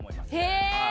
へえ！